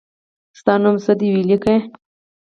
ستا نوم څه دی وي لیکی